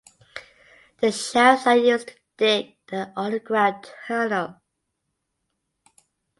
The shafts are used to dig the underground tunnel.